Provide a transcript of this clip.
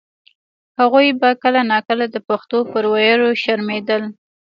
هغوی به کله نا کله د پښتو پر ویلو شرمېدل.